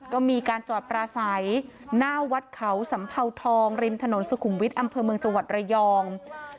ก็มีการจอดปราศัยหน้าวัดเขาสัมเภาทองริมถนนสุขุมวิทย์อำเภอเมืองจังหวัดระยอง